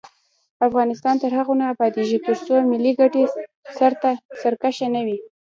افغانستان تر هغو نه ابادیږي، ترڅو ملي ګټې سر کرښه وي.